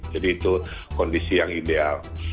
jadi itu kondisi yang ideal